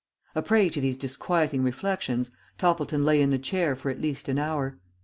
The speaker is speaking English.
A prey to these disquieting reflections, Toppleton lay in the chair for at least an hour.